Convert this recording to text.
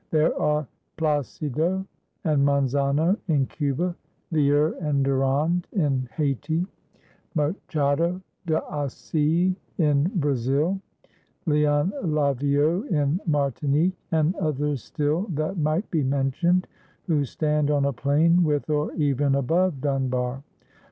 There are Plácido and Manzano in Cuba; Vieux and Durand in Haiti, Machado de Assis in Brazil; Leon Laviaux in Martinique, and others still that might be mentioned, who stand on a plane with or even above Dunbar.